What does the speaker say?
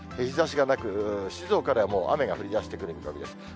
日ざしがなく、静岡ではもう雨が降りだしてくる見込みです。